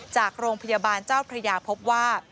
จากโรงพยาบาลเจ้าพระยาพบว่า